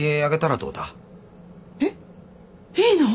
えっいいの？